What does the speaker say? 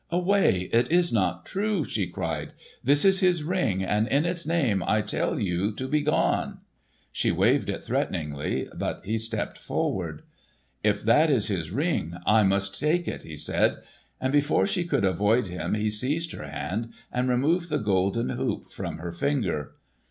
"Away! It is not true!" she cried. "This is his Ring, and in its name I tell you to begone!" She waved it threateningly, but he stepped forward. "If that is his Ring, I must take it," he said. And before she could avoid him he seized her hand and removed the golden hoop from her finger.